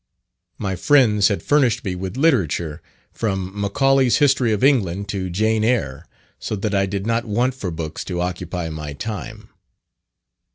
My friends had furnished me with literature, from "Macaulay's History of England" to "Jane Eyre," so that I did not want for books to occupy my time.